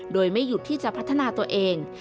โดยไม่หยุดที่จะพัฒนาตัวเอง